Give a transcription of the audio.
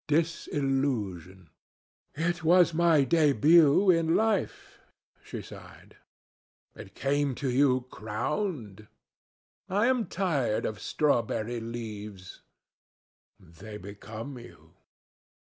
"Disillusion." "It was my début in life," she sighed. "It came to you crowned." "I am tired of strawberry leaves." "They become you."